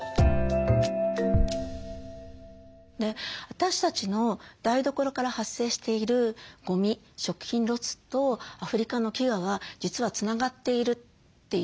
私たちの台所から発生しているゴミ食品ロスとアフリカの飢餓は実はつながっているという。